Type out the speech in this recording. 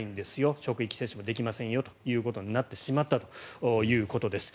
職域接種もできないんですよとなってしまったということです。